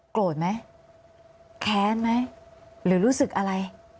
โกรธไหมแค้นไหมหรือรู้สึกอะไร